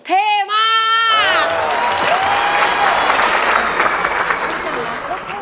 เท่มาก